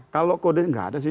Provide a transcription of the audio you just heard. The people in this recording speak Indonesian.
kalau kode nggak ada sih